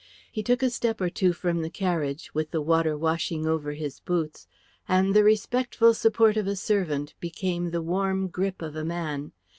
He took a step or two from the carriage, with the water washing over his boots, and the respectful support of a servant became the warm grip of a man.